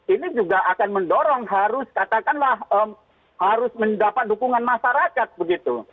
ini juga akan mendorong katakanlah harus mendapat dukungan masyarakat